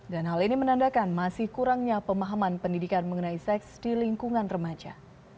dan hal ini menandakan masih kurangnya pemahaman pendidikan mengenai seks di lingkungan remaja